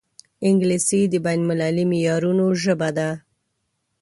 انګلیسي د بین المللي معیارونو ژبه ده